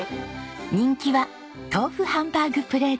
人気は豆腐ハンバーグプレート。